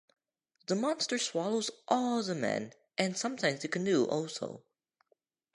The monster swallows all the men, and sometimes the canoe also.